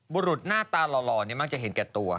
บุรุษหน้าตาหล่อมักจะเห็นแก่ตัว